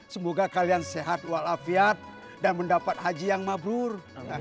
semoga kalian sehat walafiat dan mendapat haji yang mabrur